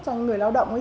cho người lao động ấy